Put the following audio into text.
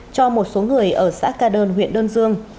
cho một số người ở xã ca đơn huyện đơn dương